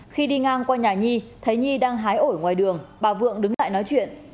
khi đi ngang qua nhà nhi thấy nhi đang hái ổi ngoài đường bà vượng đứng lại nói chuyện